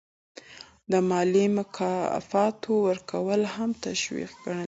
د مالي مکافاتو ورکول هم تشویق ګڼل کیږي.